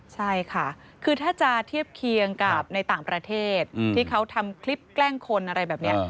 ใช่ค่ะคือถ้าจะเทียบเคียงกับในต่างประเทศที่เขาทำคลิปแกล้งคนอะไรแบบนี้